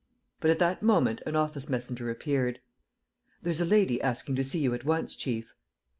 But, at that moment, an office messenger appeared: "There's a lady asking to see you at once, chief."